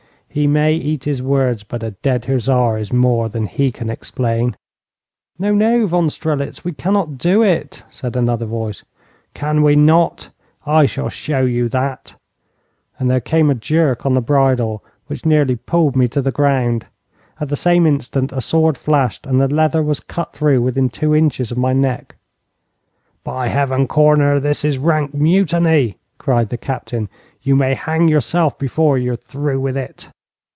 He may eat his words, but a dead hussar is more than he can explain.' 'No, no, Von Strelitz, we cannot do it,' said another voice. 'Can we not? I shall show you that!' and there came a jerk on the bridle which nearly pulled me to the ground. At the same instant a sword flashed and the leather was cut through within two inches of my neck. 'By Heaven, Korner, this is rank mutiny,' cried the captain. 'You may hang yourself before you are through with it.'